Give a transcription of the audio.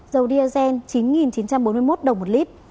dầu diesel chín chín trăm bốn mươi một đồng một lít